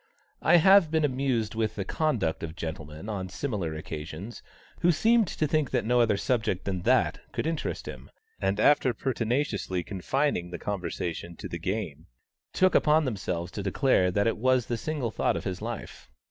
I have been amused with the conduct of gentlemen on similar occasions, who seemed to think that no other subject than that could interest him, and after pertinaciously confining the conversation to the game, took upon themselves to declare that it was the single thought of his life.